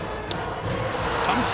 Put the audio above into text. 三振！